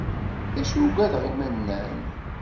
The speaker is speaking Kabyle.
D acu ugadeɣ imennan.